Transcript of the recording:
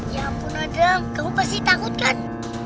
ya ampun ada kamu pasti takut kan